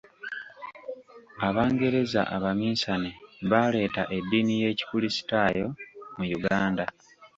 Abangereza abaminsane baaleeta eddiini y'Ekristaayo mu Uganda.